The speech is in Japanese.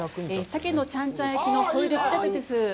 鮭のちゃんちゃん焼きのホイル仕立てです。